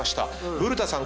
古田さん